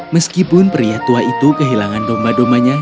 meskipun pria tua itu kehilangan domba dombanya